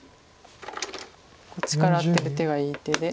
こっちからアテる手がいい手で。